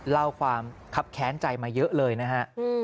เล่าความคับแค้นใจมาเยอะเลยนะฮะ